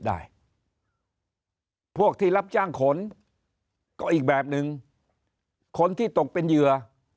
พวกที่รับจ้างขนก็อีกแบบหนึ่งคนที่ตกเป็นเหยื่อ